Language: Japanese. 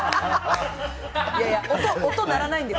いやいや、音鳴らないんで。